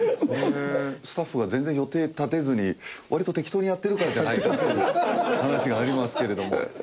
スタッフが全然予定立てずに割と適当にやってるからじゃないかという話がありますけれども。